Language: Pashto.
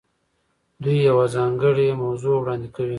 دوی یوه ځانګړې موضوع وړاندې کوي.